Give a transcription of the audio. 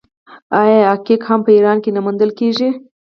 آیا عقیق هم په ایران کې نه موندل کیږي؟